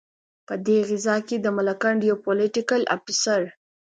په دې غزا کې د ملکنډ یو پلوټیکل افسر.